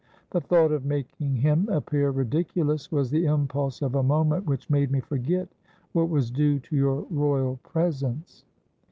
The thought of making him appear ridiculous was the impulse of a moment, which made me forget what was due to your royal presence."